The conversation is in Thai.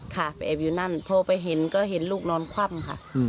ค้าคาดไปแอบอยู่นั่นพูดไม่เห็นก็เห็นลูกกำลัวนอนควับค่ะ